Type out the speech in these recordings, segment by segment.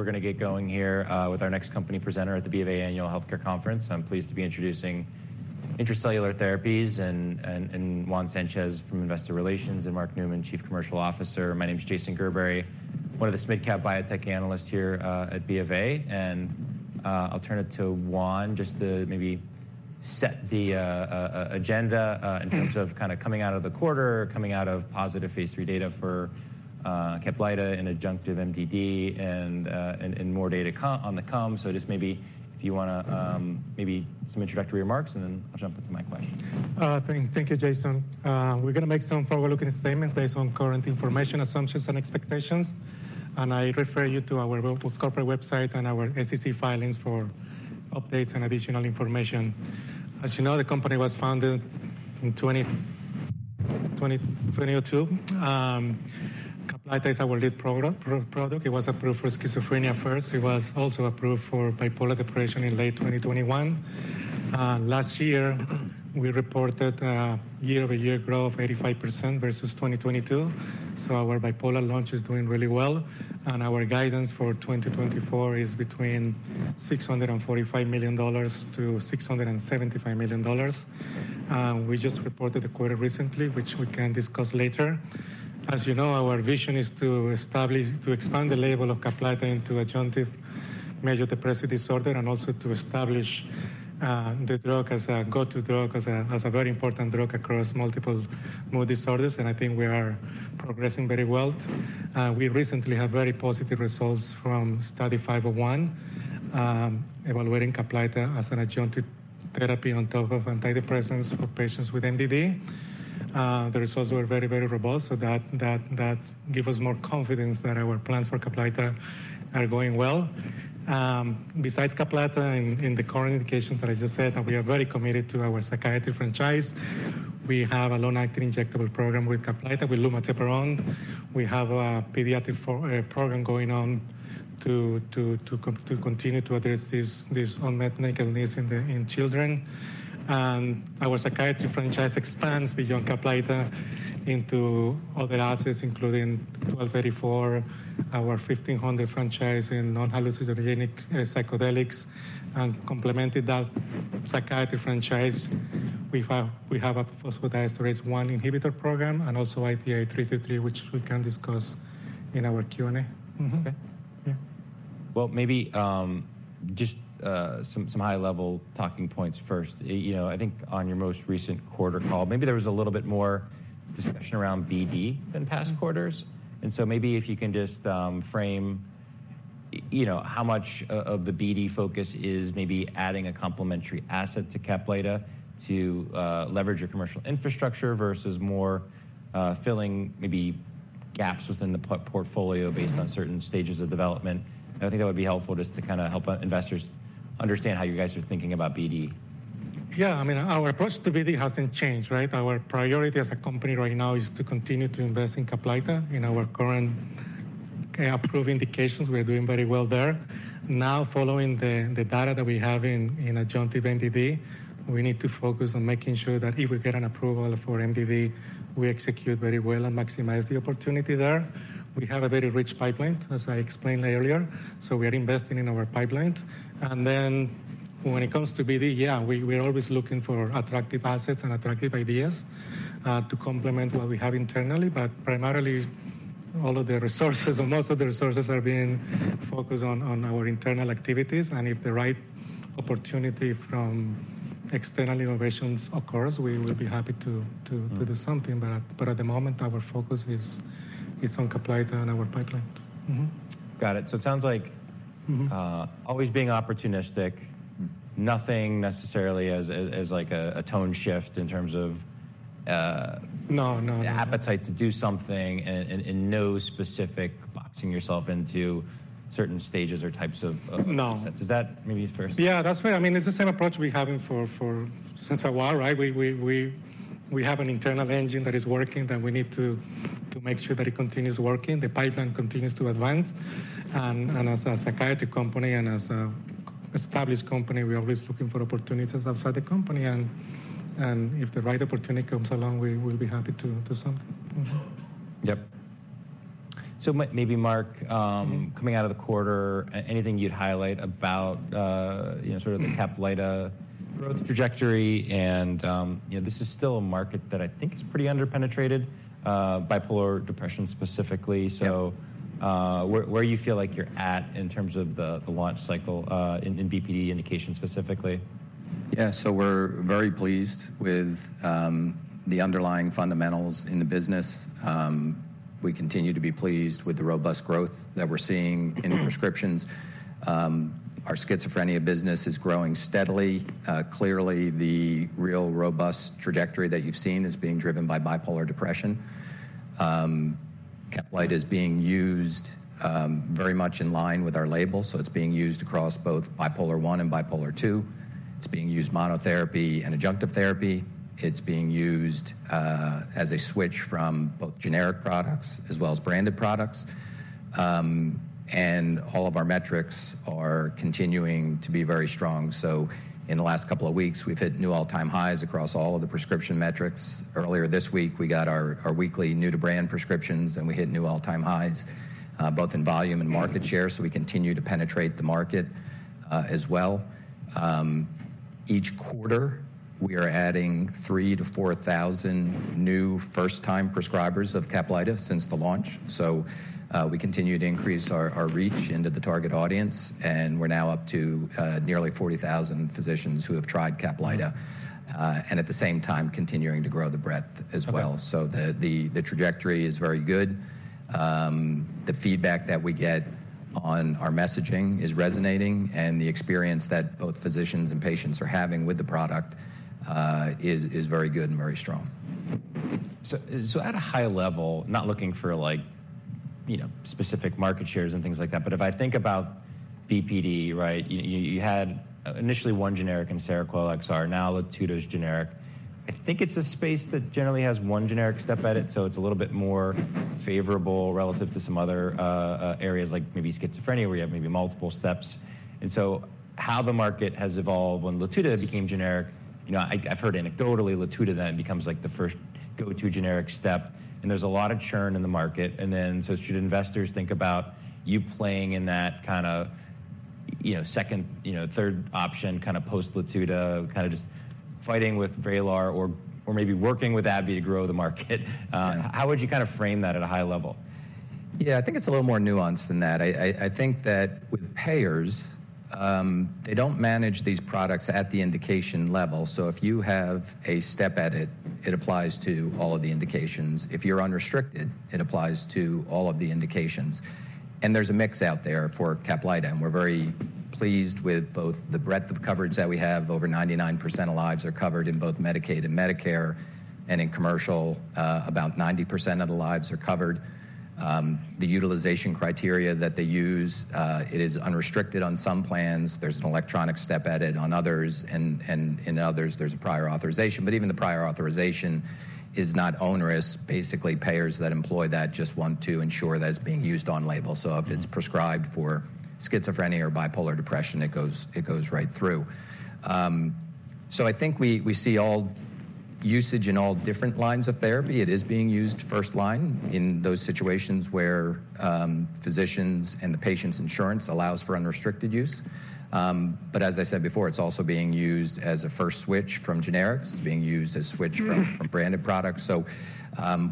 We're gonna get going here with our next company presenter at the BofA Annual Healthcare Conference. I'm pleased to be introducing Intra-Cellular Therapies and Juan Sanchez from Investor Relations, and Mark Newman, Chief Commercial Officer. My name is Jason Gerberry, one of the mid-cap biotech analysts here at BofA. I'll turn it to Juan, just to maybe set the agenda in terms of kind of coming out of the quarter, coming out of positive phase III data for Caplyta in adjunctive MDD, and more data to come. So just maybe if you wanna maybe some introductory remarks, and then I'll jump into my questions. Thank you, Jason. We're gonna make some forward-looking statements based on current information, assumptions, and expectations. I refer you to our corporate website and our SEC filings for updates and additional information. As you know, the company was founded in 2022. Caplyta is our lead program, product. It was approved for schizophrenia first. It was also approved for bipolar depression in late 2021. Last year, we reported year-over-year growth of 85% versus 2022, so our bipolar launch is doing really well. Our guidance for 2024 is between $645 million-$675 million. We just reported the quarter recently, which we can discuss later. As you know, our vision is to expand the label of Caplyta into adjunctive major depressive disorder, and also to establish the drug as a go-to drug, as a very important drug across multiple mood disorders, and I think we are progressing very well. We recently had very positive results from Study 501, evaluating Caplyta as an adjunctive therapy on top of antidepressants for patients with MDD. The results were very, very robust, so that give us more confidence that our plans for Caplyta are going well. Besides Caplyta, in the current indications that I just said, we are very committed to our psychiatry franchise. We have a long-acting injectable program with Caplyta, with lumateperone. We have a pediatric program going on to continue to address this unmet medical needs in children. Our psychiatry franchise expands beyond Caplyta into other assets, including ITI-1284, our ITI-1549 franchise in non-hallucinogenic psychedelics. Complemented that psychiatry franchise, we have a phosphodiesterase 1 inhibitor program and also ITI-333, which we can discuss in our. Okay. Well, maybe just some high-level talking points first. You know, I think on your most recent quarter call, maybe there was a little bit more discussion around BD than past quarters. And so maybe if you can just frame, you know, how much of the BD focus is maybe adding a complementary asset to Caplyta to leverage your commercial infrastructure versus more filling maybe gaps within the portfolio based on certain stages of development. I think that would be helpful just to kinda help investors understand how you guys are thinking about BD. I mean, our approach to BD hasn't changed, right? Our priority as a company right now is to continue to invest in Caplyta, in our current approved indications. We are doing very well there. Now, following the data that we have in adjunctive MDD, we need to focus on making sure that if we get an approval for MDD, we execute very well and maximize the opportunity there. We have a very rich pipeline, as I explained earlier, so we are investing in our pipeline. And then when it comes to BD,, we are always looking for attractive assets and attractive ideas to complement what we have internally. But primarily, all of the resources and most of the resources are being focused on our internal activities, and if the right opportunity from external innovations occurs, we will be happy to, to-... to do something. But at the moment, our focus is on Caplyta and our pipeline. Got it. So it sounds like-... always being opportunistic. Nothing necessarily like a tone shift in terms of, No, no - appetite to do something and no specific boxing yourself into certain stages or types of- No - assets. Does that maybe first-, that's right. I mean, it's the same approach we're having for some time, right? We have an internal engine that is working, that we need to make sure that it continues working, the pipeline continues to advance. And as a psychiatry company and as an established company, we're always looking for opportunities outside the company, and if the right opportunity comes along, we will be happy to do something. Yep. So maybe Mark- Coming out of the quarter, anything you'd highlight about, you know, sort of the Caplyta growth trajectory, and, you know, this is still a market that I think is pretty underpenetrated, bipolar depression specifically. So, where do you feel like you're at in terms of the launch cycle in BPD indication specifically? So we're very pleased with the underlying fundamentals in the business. We continue to be pleased with the robust growth that we're seeing in prescriptions. Our schizophrenia business is growing steadily. Clearly, the real robust trajectory that you've seen is being driven by bipolar depression. Caplyta is being used very much in line with our label, so it's being used across both Bipolar I and Bipolar II. It's being used monotherapy and adjunctive therapy. It's being used as a switch from both generic products as well as branded products. And all of our metrics are continuing to be very strong. So in the last couple of weeks, we've hit new all-time highs across all of the prescription metrics. Earlier this week, we got our weekly new-to-brand prescriptions, and we hit new all-time highs both in volume and market share, so we continue to penetrate the market as well. Each quarter, we are adding 3-4 thousand new first-time prescribers of Caplyta since the launch. So, we continue to increase our reach into the target audience, and we're now up to nearly 40,000 physicians who have tried Caplyta, and at the same time, continuing to grow the breadth as well. Okay. So the trajectory is very good. The feedback that we get on our messaging is resonating, and the experience that both physicians and patients are having with the product is very good and very strong. So, so at a high level, not looking for like, you know, specific market shares and things like that, but if I think about BPD, right? You had initially one generic in Seroquel XR, now Latuda's generic. I think it's a space that generally has one generic step at it, so it's a little bit more favorable relative to some other areas like maybe schizophrenia, where you have maybe multiple steps. And so how the market has evolved when Latuda became generic, you know, I've heard anecdotally, Latuda then becomes like the first go-to generic step, and there's a lot of churn in the market. And then, so should investors think about you playing in that kinda, you know, second, you know, third option, kind of post-Latuda, kind of just fighting with Vraylar or, or maybe working with AbbVie to grow the market? How would you kind of frame that at a high level?, I think it's a little more nuanced than that. I think that with payers, they don't manage these products at the indication level. So if you have a step edit, it applies to all of the indications. If you're unrestricted, it applies to all of the indications. And there's a mix out there for Caplyta, and we're very pleased with both the breadth of coverage that we have. Over 99% of lives are covered in both Medicaid and Medicare, and in commercial, about 90% of the lives are covered. The utilization criteria that they use, it is unrestricted on some plans. There's an electronic step edit on others, and in others, there's a prior authorization. But even the prior authorization is not onerous. Basically, payers that employ that just want to ensure that it's being used on label. So if it's prescribed for schizophrenia or bipolar depression, it goes right through. So I think we see all usage in all different lines of therapy. It is being used first line in those situations where physicians and the patient's insurance allows for unrestricted use. But as I said before, it's also being used as a first switch from generics. It's being used as switc... from branded products. So,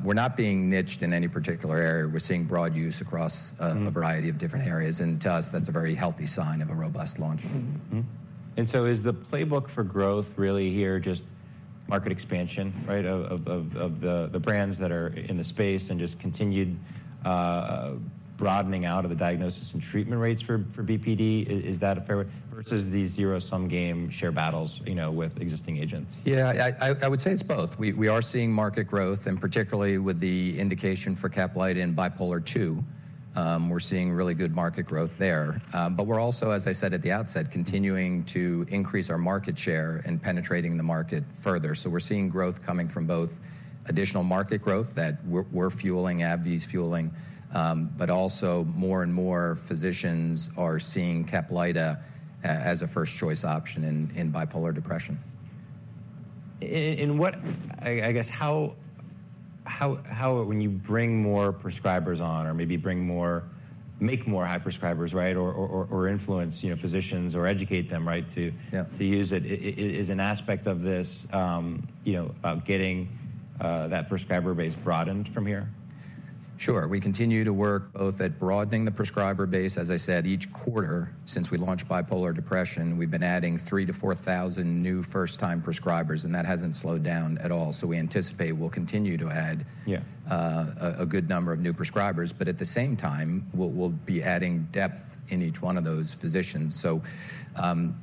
we're not being niched in any particular area. We're seeing broad use across,... a variety of different areas, and to us, that's a very healthy sign of a robust launch. And so is the playbook for growth really here, just market expansion, right? Of the brands that are in the space and just continued broadening out of the diagnosis and treatment rates for BPD. Is that a fair way, versus the zero-sum game share battles, you know, with existing agents?, I would say it's both. We are seeing market growth, and particularly with the indication for Caplyta in Bipolar II, we're seeing really good market growth there. But we're also, as I said at the outset, continuing to increase our market share and penetrating the market further. So we're seeing growth coming from both additional market growth, that we're fueling, AbbVie's fueling, but also more and more physicians are seeing Caplyta as a first choice option in bipolar depression. I guess how, when you bring more prescribers on or maybe bring more - make more high prescribers, right? Or influence, you know, physicians or educate them, right, to-... to use it, is an aspect of this, you know, about getting that prescriber base broadened from here? Sure. We continue to work both at broadening the prescriber base. As I said, each quarter since we launched bipolar depression, we've been adding 3,000-4,000 new first-time prescribers, and that hasn't slowed down at all. So we anticipate we'll continue to add- a good number of new prescribers, but at the same time, we'll be adding depth in each one of those physicians. So,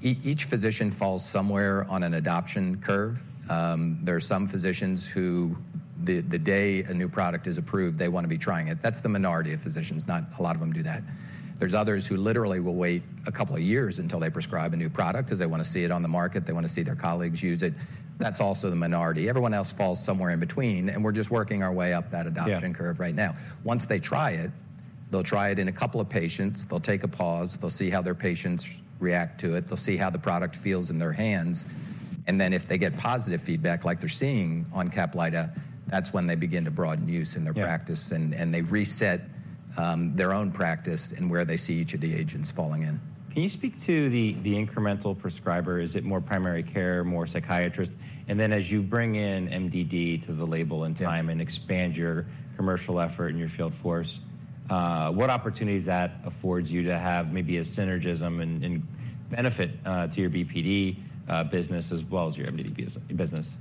each physician falls somewhere on an adoption curve. There are some physicians who, the day a new product is approved, they wanna be trying it. That's the minority of physicians. Not a lot of them do that. There's others who literally will wait a couple of years until they prescribe a new product, because they wanna see it on the market, they wanna see their colleagues use it. That's also the minority. Everyone else falls somewhere in between, and we're just working our way up that adoption curve... right now. Once they try it, they'll try it in a couple of patients, they'll take a pause, they'll see how their patients react to it, they'll see how the product feels in their hands, and then if they get positive feedback like they're seeing on Caplyta, that's when they begin to broaden use in their practice. They reset their own practice and where they see each of the agents falling in. Can you speak to the incremental prescriber? Is it more primary care, more psychiatrist? And then, as you bring in MDD to the label and time-... and expand your commercial effort and your field force, what opportunities that affords you to have maybe a synergy and benefit to your BPD business as well as your MDD business?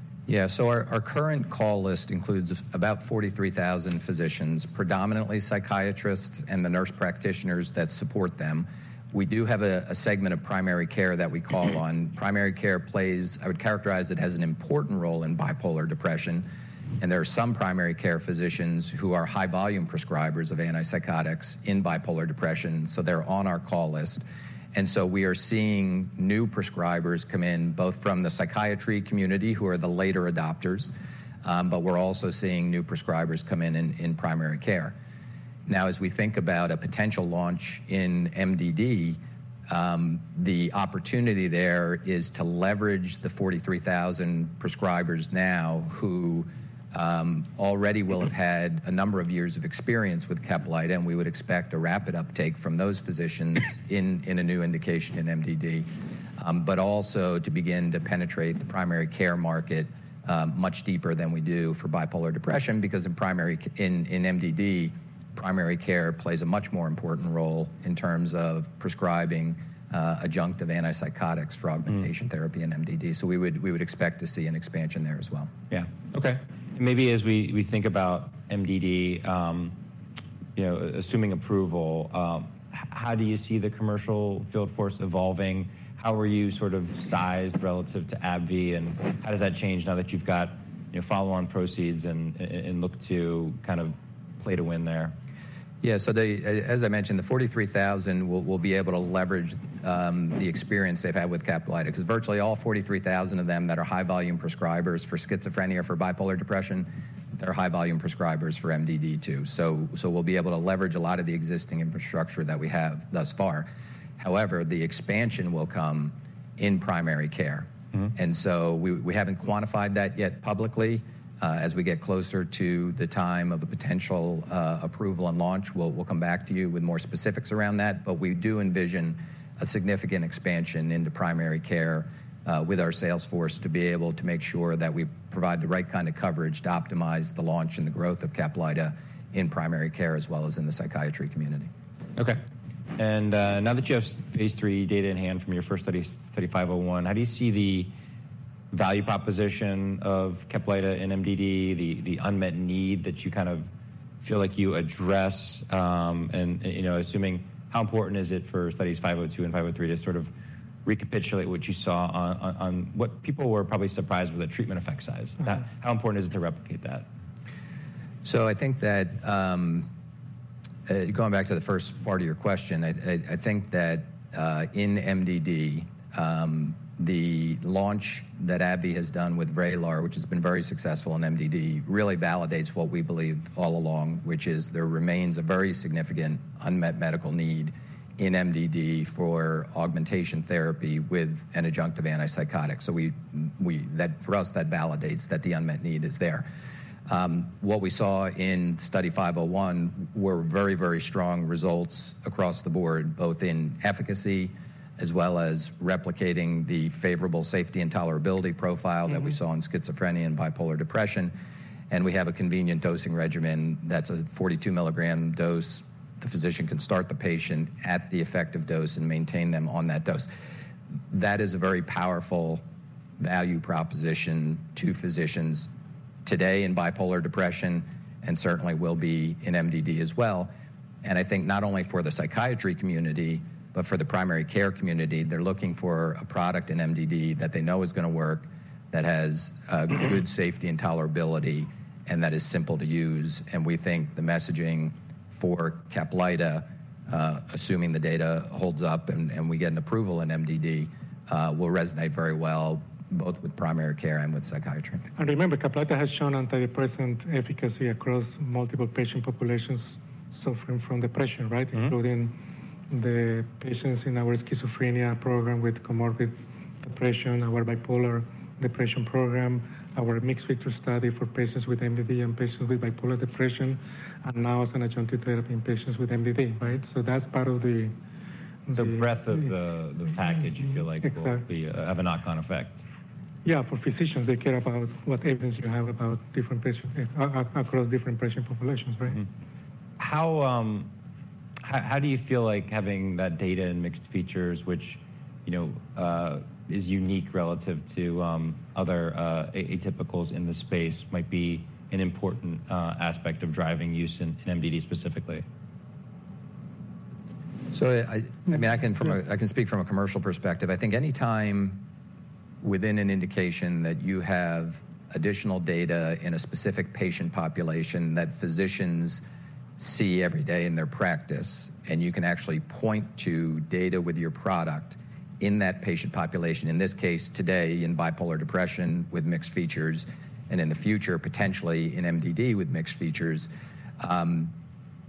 So our current call list includes about 43,000 physicians, predominantly psychiatrists and the nurse practitioners that support them. We do have a segment of primary care that we call on. Primary care plays, I would characterize it, as an important role in bipolar depression, and there are some primary care physicians who are high-volume prescribers of antipsychotics in bipolar depression, so they're on our call list. And so we are seeing new prescribers come in, both from the psychiatry community, who are the later adopters, but we're also seeing new prescribers come in in primary care. Now, as we think about a potential launch in MDD, the opportunity there is to leverage the 43,000 prescribers now who already will have had a number of years of experience with Caplyta, and we would expect a rapid uptake from those physicians in a new indication in MDD. But also to begin to penetrate the primary care market much deeper than we do for bipolar depression, because in MDD, primary care plays a much more important role in terms of prescribing adjunctive antipsychotics for augmentation therapy in MDD. So we would, we would expect to see an expansion there as well. Okay. Maybe as we think about MDD, you know, assuming approval, how do you see the commercial field force evolving? How are you sort of sized relative to AbbVie, and how does that change now that you've got, you know, follow-on proceeds and look to kind of play to win there? , so as I mentioned, the 43,000 will be able to leverage the experience they've had with Caplyta. 'Cause virtually all 43,000 of them that are high-volume prescribers for schizophrenia or for bipolar depression, they're high-volume prescribers for MDD, too. So we'll be able to leverage a lot of the existing infrastructure that we have thus far. However, the expansion will come in primary care. And so we haven't quantified that yet publicly. As we get closer to the time of a potential approval and launch, we'll come back to you with more specifics around that. But we do envision a significant expansion into primary care with our sales force, to be able to make sure that we provide the right kind of coverage to optimize the launch and the growth of Caplyta in primary care, as well as in the psychiatry community. Okay. And now that you have phase 3 data in hand from your first studies, Study 501, how do you see the value proposition of Caplyta in MDD, the unmet need that you kind of feel like you address, and you know, assuming how important is it for Studies 502 and 503 to sort of recapitulate what you saw on... What people were probably surprised with the treatment effect size? How important is it to replicate that? So I think that, going back to the first part of your question, I think that, in MDD, the launch that AbbVie has done with Vraylar, which has been very successful in MDD, really validates what we believed all along, which is there remains a very significant unmet medical need in MDD for augmentation therapy with an adjunctive antipsychotic. So that for us, that validates that the unmet need is there. What we saw in Study 501 were very, very strong results across the board, both in efficacy as well as replicating the favorable safety and tolerability profile- -that we saw in schizophrenia and bipolar depression, and we have a convenient dosing regimen that's a 42 milligram dose. The physician can start the patient at the effective dose and maintain them on that dose. That is a very powerful value proposition to physicians today in bipolar depression, and certainly will be in MDD as well. And I think not only for the psychiatry community, but for the primary care community, they're looking for a product in MDD that they know is gonna work, that has good safety and tolerability, and that is simple to use. And we think the messaging for Caplyta, assuming the data holds up and, and we get an approval in MDD, will resonate very well, both with primary care and with psychiatry. Remember, Caplyta has shown antidepressant efficacy across multiple patient populations suffering from depression, right? Including the patients in our schizophrenia program with comorbid depression, our bipolar depression program, our mixed feature study for patients with MDD and patients with bipolar depression, and now as an adjunctive therapy in patients with MDD, right? So that's part of the- The breadth of the package you feel like- Exactly. will be, have a knock-on effect., for physicians, they care about what evidence you have about different patient... across different patient populations, right? How do you feel like having that data in mixed features, which, you know, is unique relative to other atypicals in the space, might be an important aspect of driving use in MDD specifically? So I mean, I can from a- I can speak from a commercial perspective. I think anytime within an indication that you have additional data in a specific patient population that physicians see every day in their practice, and you can actually point to data with your product in that patient population, in this case today, in Bipolar depression with Mixed features, and in the future, potentially in MDD with Mixed features,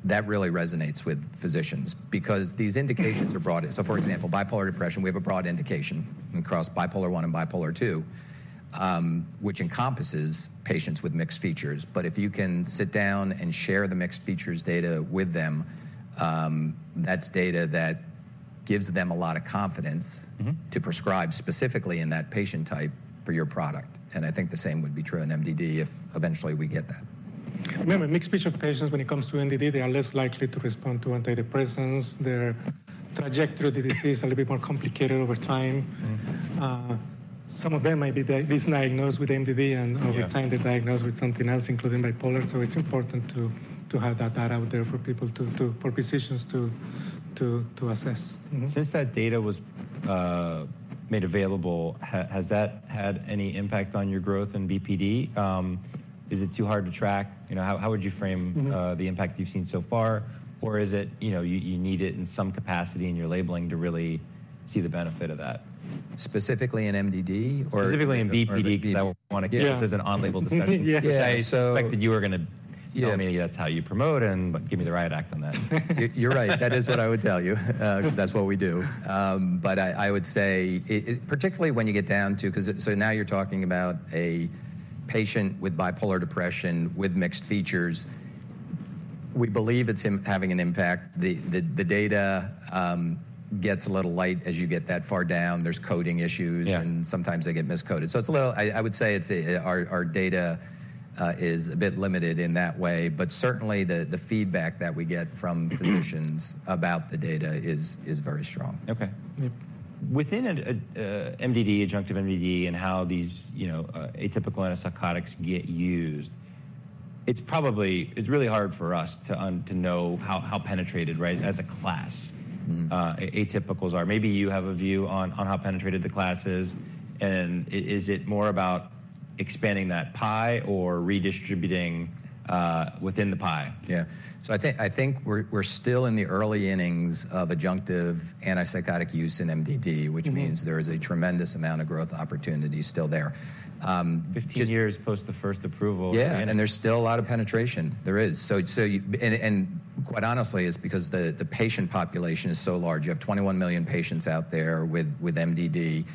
that really resonates with physicians because these indications are broad. So for example, Bipolar depression, we have a broad indication across Bipolar I and Bipolar II, which encompasses patients with Mixed features. But if you can sit down and share the Mixed features data with them, that's data that gives them a lot of confidence-... to prescribe specifically in that patient type for your product, and I think the same would be true in MDD if eventually we get that. Remember, mixed feature patients, when it comes to MDD, they are less likely to respond to antidepressants. Their trajectory of the disease is a little bit more complicated over time. Some of them might be misdiagnosed with MDD, and- Over time, they're diagnosed with something else, including bipolar. So it's important to have that data out there for people to... for physicians to assess. Since that data was made available, has that had any impact on your growth in BPD? Is it too hard to track? You know, how would you frame-... the impact you've seen so far? Or is it, you know, you need it in some capacity in your labeling to really see the benefit of that?... specifically in MDD or- Specifically in BPD, because I want t Keep this as an on-label discussion., so- I expected you were going to- Tell me that's how you promote and give me the riot act on that. You're right. That is what I would tell you because that's what we do. But I would say it particularly when you get down to... Because now you're talking about a patient with bipolar depression with mixed features. We believe it's im-- having an impact. The data gets a little light as you get that far down. There's coding issues- sometimes they get miscoded. So it's a little... I would say it's our data is a bit limited in that way, but certainly, the feedback that we get from physicians about the data is very strong. Okay. Within MDD, adjunctive MDD, and how these, you know, atypical antipsychotics get used, it's probably... It's really hard for us to know how penetrated, right, as a class- Atypicals are. Maybe you have a view on how penetrated the class is, and is it more about expanding that pie or redistributing within the pie? So I think we're still in the early innings of adjunctive antipsychotic use in MDD- -which means there is a tremendous amount of growth opportunity still there. Just- 15 years post the first approval., and there's still a lot of penetration. There is. So, and quite honestly, it's because the patient population is so large. You have 21 million patients out there with MDD.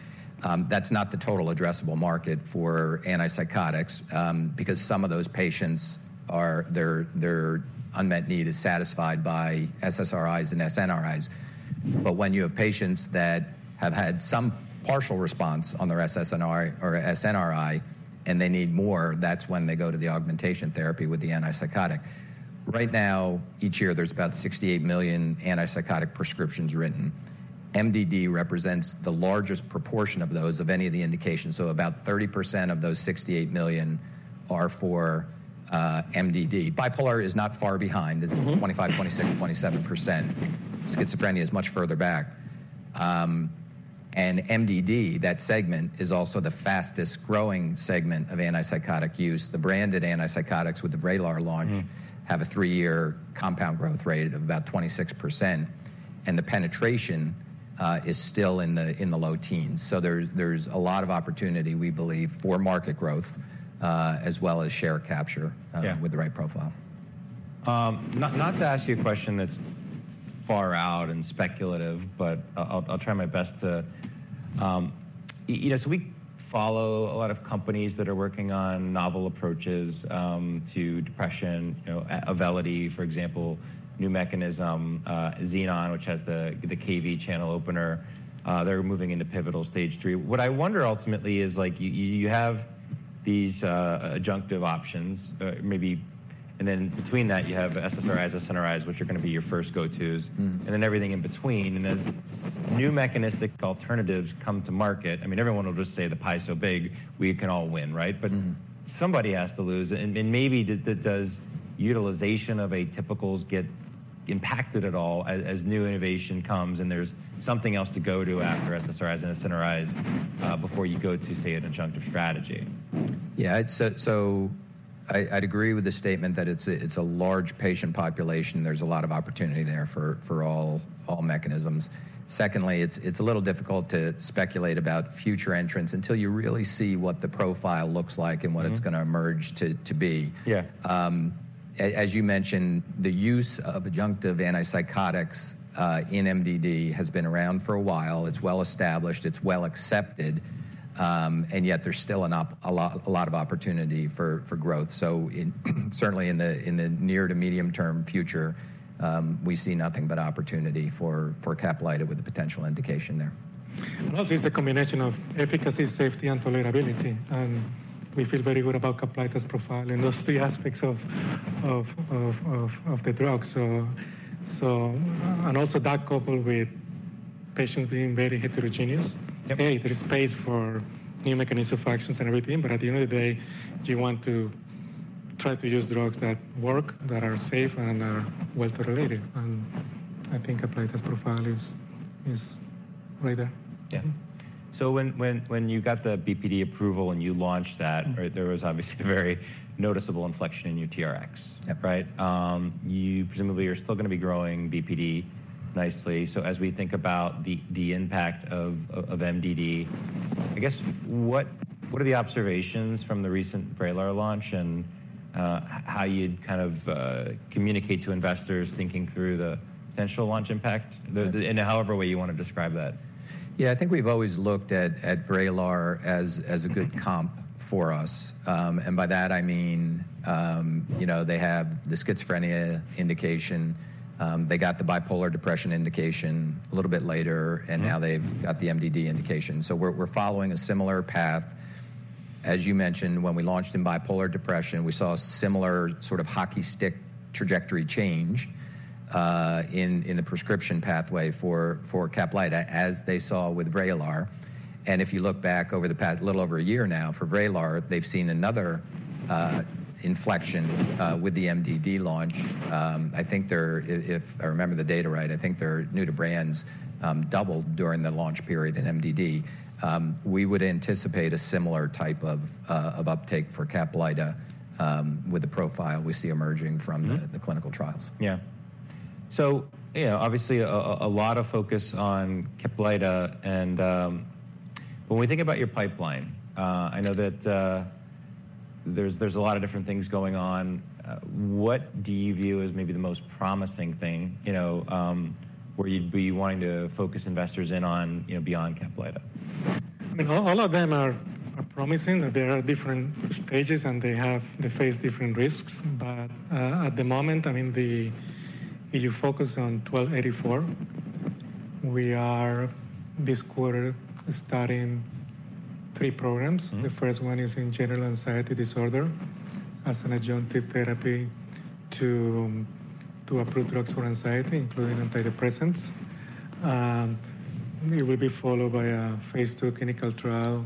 That's not the total addressable market for antipsychotics, because some of those patients are, their unmet need is satisfied by SSRIs and SNRIs. But when you have patients that have had some partial response on their SSRI or SNRI, and they need more, that's when they go to the augmentation therapy with the antipsychotic. Right now, each year, there's about 68 million antipsychotic prescriptions written. MDD represents the largest proportion of those of any of the indications, so about 30% of those 68 million are for MDD. Bipolar is not far behind. It's 25, 26, 27%. Schizophrenia is much further back. MDD, that segment, is also the fastest-growing segment of antipsychotic use. The branded antipsychotics with the Vraylar launch- have a three-year compound growth rate of about 26%, and the penetration is still in the low teens. So there's a lot of opportunity, we believe, for market growth as well as share capture-... with the right profile. Not to ask you a question that's far out and speculative, but I'll try my best to. You know, so we follow a lot of companies that are working on novel approaches to depression. You know, Aimovig, for example, new mechanism, Xenon, which has the KV channel opener. They're moving into pivotal Stage III. What I wonder ultimately is like you have these adjunctive options, maybe, and then between that, you have SSRIs, SNRIs, which are going to be your first go-tos. Then everything in between. As new mechanistic alternatives come to market, I mean, everyone will just say, "The pie is so big, we can all win," right? But somebody has to lose, and maybe does utilization of atypicals get impacted at all as new innovation comes, and there's something else to go to after SSRIs and SNRIs, before you go to, say, an adjunctive strategy?, I'd say... So I, I'd agree with the statement that it's a, it's a large patient population. There's a lot of opportunity there for, for all, all mechanisms. Secondly, it's, it's a little difficult to speculate about future entrants until you really see what the profile looks like... and what it's going to emerge to be. As you mentioned, the use of adjunctive antipsychotics in MDD has been around for a while. It's well-established, it's well-accepted, and yet there's still a lot of opportunity for growth. So certainly in the near- to medium-term future, we see nothing but opportunity for Caplyta with the potential indication there. And also, it's a combination of efficacy, safety, and tolerability, and we feel very good about Caplyta's profile in those three aspects of the drug. And also that coupled with patients being very heterogeneous. Yep. There is space for new mechanism of actions and everything, but at the end of the day, you want to try to use drugs that work, that are safe and are well-tolerated, and I think Caplyta's profile is right there. So when you got the BPD approval and you launched that-... there was obviously a very noticeable inflection in your TRX. Yep. Right? You presumably are still going to be growing BPD nicely. So as we think about the impact of MDD, I guess, what are the observations from the recent Vraylar launch and how you'd kind of communicate to investors thinking through the potential launch impact in however way you want to describe that?, I think we've always looked at Vraylar as a good comp for us. And by that I mean, you know, they have the schizophrenia indication, they got the bipolar depression indication a little bit later-... and now they've got the MDD indication. So we're following a similar path. As you mentioned, when we launched in bipolar depression, we saw a similar sort of hockey stick trajectory change in the prescription pathway for Caplyta, as they saw with Vraylar. And if you look back over the past, a little over a year now, for Vraylar, they've seen another inflection with the MDD launch. I think they're... If I remember the data right, I think their new to brands doubled during the launch period in MDD. We would anticipate a similar type of uptake for Caplyta with the profile we see emerging from the... the clinical trials. So, you know, obviously a lot of focus on Caplyta, and when we think about your pipeline, I know that there's a lot of different things going on. What do you view as maybe the most promising thing, you know, where you'd be wanting to focus investors in on, you know, beyond Caplyta? I mean, all of them are promising. There are different stages, and they face different risks. But, at the moment, I mean, the... You focus on 1284. We are, this quarter, starting three programs. The first one is in generalized anxiety disorder as an adjunctive therapy to approved drugs for anxiety, including antidepressants. It will be followed by a phase 2 clinical trial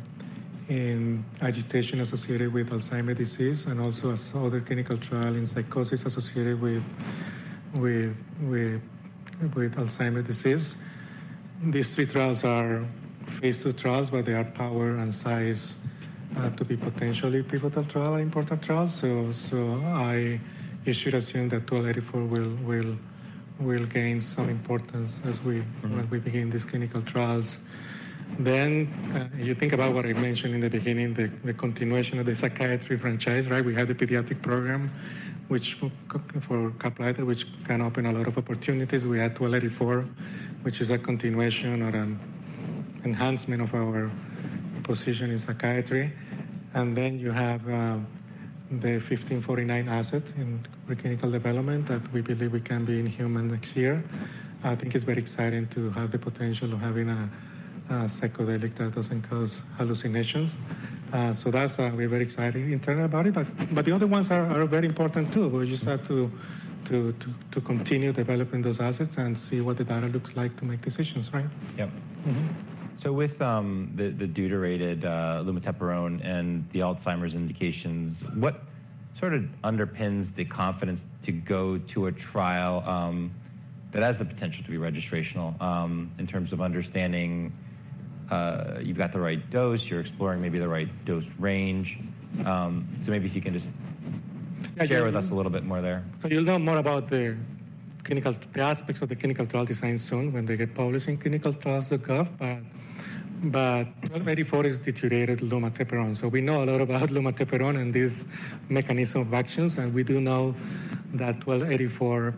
in agitation associated with Alzheimer's disease, and also another clinical trial in psychosis associated with Alzheimer's disease. These three trials are phase 2 trials, but they are powered and sized to be potentially pivotal trial and important trials. You should assume that 1284 will gain some importance as we-... when we begin these clinical trials. Then, you think about what I mentioned in the beginning, the continuation of the psychiatry franchise, right? We have the pediatric program, which will for Caplyta, which can open a lot of opportunities. We had 1284, which is a continuation or an enhancement of our position in psychiatry. And then you have, the 1549 asset in preclinical development that we believe we can be in human next year. I think it's very exciting to have the potential of having a psychedelic that doesn't cause hallucinations. So that's, we're very excited internally about it, but, the other ones are very important too. We just have to continue developing those assets and see what the data looks like to make decisions, right? Yep. So with the deuterated lumateperone and the Alzheimer's indications, what sort of underpins the confidence to go to a trial that has the potential to be registrational, in terms of understanding, you've got the right dose, you're exploring maybe the right dose range. So maybe if you can just- Share with us a little bit more there. So you'll know more about the aspects of the clinical trial design soon when they get published in ClinicalTrials.gov. But 1284 is deuterated lumateperone. So we know a lot about lumateperone and these mechanism of actions, and we do know that 1284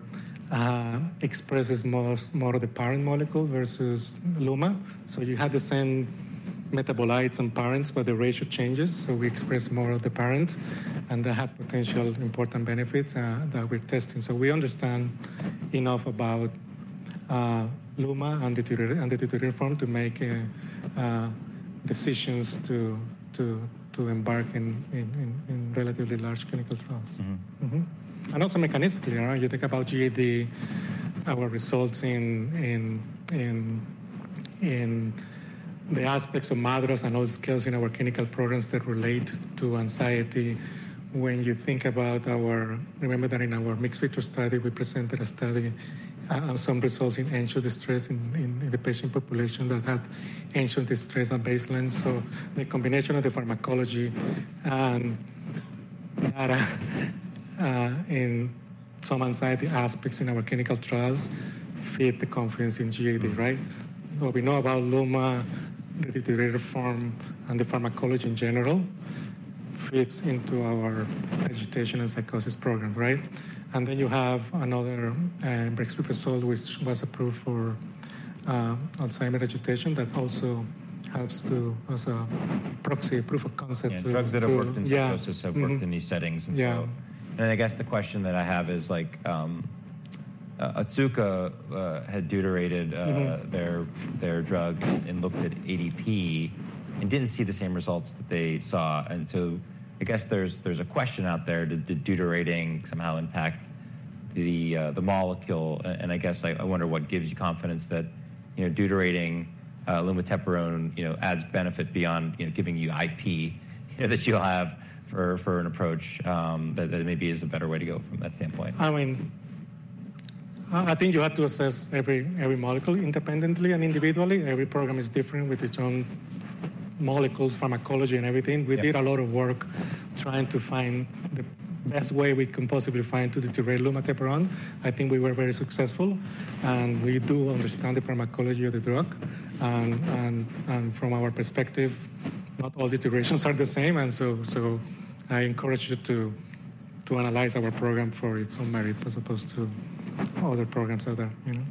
expresses more of the parent molecule versus Luma. So you have the same metabolites and parents, but the ratio changes, so we express more of the parents, and they have potential important benefits that we're testing. So we understand enough about Luma and deuterated and the deuterated form to make decisions to embark in relatively large clinical trials. And also mechanistically, right, you think about GAD, our results in the aspects of MADRS and other scales in our clinical programs that relate to anxiety. When you think about our... Remember that in our mixed features study, we presented some results in anxious distress in the patient population that had anxious distress at baseline. So the combination of the pharmacology and data in some anxiety aspects in our clinical trials feed the confidence in GAD, right? What we know about Luma, the deuterated form, and the pharmacology in general, fits into our agitation and psychosis program, right? And then you have another brexpiprazole, which was approved for Alzheimer’s agitation. That also helps to, as a proxy, a proof of concept to-, drugs that have worked in psychosis Have worked in these settings. I guess the question that I have is, like, Otsuka had deuterated,... their, their drug and looked at AVP and didn't see the same results that they saw. And so I guess there's, there's a question out there, did the deuterating somehow impact the, the molecule? And I guess I, I wonder what gives you confidence that, you know, deuterating, lumateperone, you know, adds benefit beyond, you know, giving you IP, that you'll have for, for an approach, that, that maybe is a better way to go from that standpoint? I mean, I think you have to assess every molecule independently and individually. Every program is different with its own molecules, pharmacology, and everything. We did a lot of work trying to find the best way we can possibly find to deuterate lumateperone. I think we were very successful, and we do understand the pharmacology of the drug. And from our perspective, not all deuterations are the same, and so I encourage you to analyze our program for its own merits as opposed to other programs out there, you know?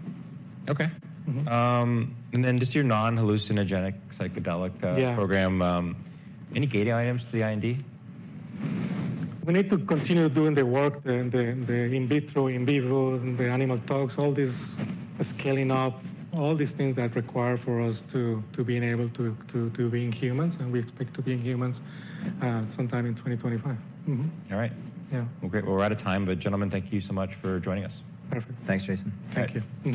Okay. And then just your non-hallucinogenic, psychedelic,... program, any gating items to the IND? We need to continue doing the work, the in vitro, in vivo, the animal talks, all these scaling up, all these things that require for us to be able to be in humans, and we expect to be in humans sometime in 2025. All right. Well, great. We're out of time, but, gentlemen, thank you so much for joining us. Perfect. Thanks, Jason. Thank you.